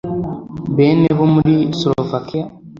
bane bo muri Slovakia